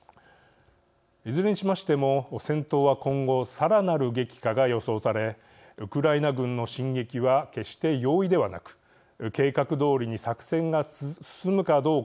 いずれにしましても戦闘は今後さらなる激化が予想されウクライナ軍の進撃は決して容易ではなく計画どおりに作戦が進むかどうかは分かりません。